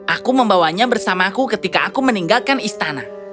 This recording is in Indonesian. aku membawanya bersamaku ketika aku meninggalkan istana